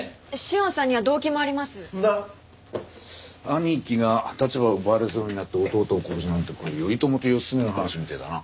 兄貴が立場を奪われそうになって弟を殺すなんてこれ頼朝と義経の話みたいだな。